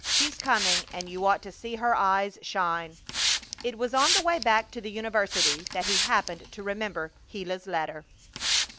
She's coming and you ought to see her eyes shine! It was on the way back to the university that he happened to remember Gila's letter.